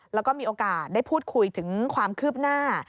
แล้วก็มีโอกาสได้พูดคุยถึงความคืบหน้า